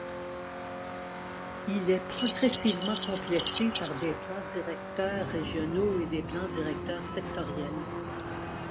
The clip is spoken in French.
Il est progressivement complété par des plans directeurs régionaux et des plans directeurs sectoriels.